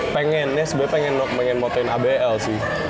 pengen ya sebenernya pengen motoin abl sih